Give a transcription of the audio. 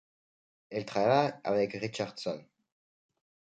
Elle travaille avec Richardson.